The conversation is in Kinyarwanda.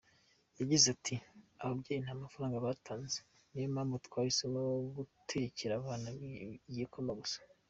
Yagize ati “Ababyeyi nta mafaranga batanze, niyo mpamvu twahisemo gutekera abana igikoma gusa.